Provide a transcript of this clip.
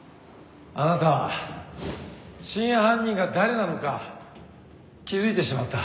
あなたは真犯人が誰なのか気付いてしまった